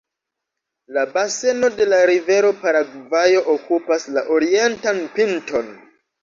La baseno de la rivero Paragvajo okupas la orientan pinton.